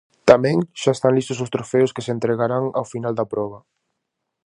Tamén xa están listos os trofeos que se entregarán ao final da proba.